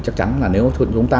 chắc chắn là nếu chúng ta